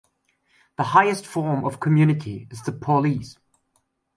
The highest form of community is the polis.